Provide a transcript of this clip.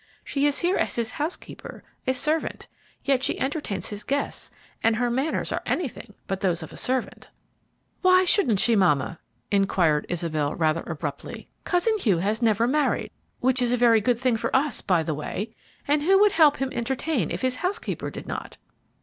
She is here as his housekeeper, a servant, yet she entertains his guests, and her manners are anything but those of a servant." "Why shouldn't she, mamma?" inquired Isabel, rather abruptly. "Cousin Hugh has never married, which is a very good thing for us, by the way, and who would help him entertain if his housekeeper did not?"